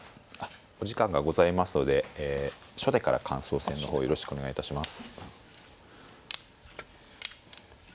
お時間がございますので初手から感想戦の方よろしくお願いいたします。